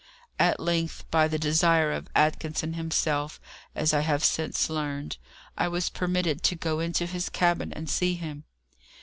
At length, by the desire of Atkinson himself, as I have since learned, I was permitted to go into his cabin and see him.